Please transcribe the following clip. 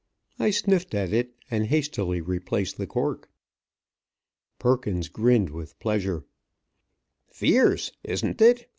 I sniffed at it, and hastily replaced the cork. Perkins grinned with pleasure. "Fierce, isn't it?"